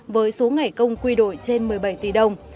với số ngày công quy đổi trên một mươi bảy tỷ đồng